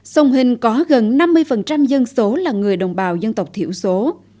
sông hình có gần năm mươi dân số là người đồng bào dân tộc thiểu số